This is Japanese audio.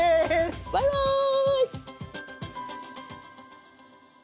バイバーイ！